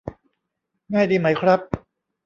ง่ายดีไหมครับ